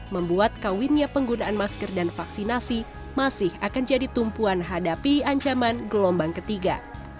membuat kawinnya penggunaan masker dan vaksinasi masih akan jadi tumpuan hadapi ancaman gelombang ketiga